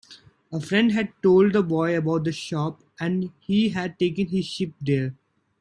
A friend had told the boy about the shop, and he had taken his sheep there.